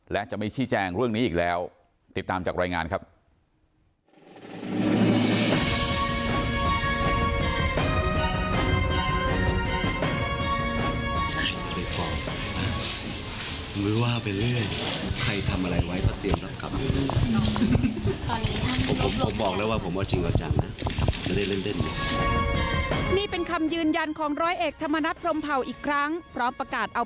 และจะไม่ชี้แจงเรื่องนี้อีกแล้วติดตามจากรายงานครับ